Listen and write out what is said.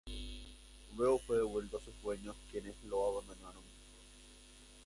Luego fue devuelto a sus dueños, quienes lo abandonaron.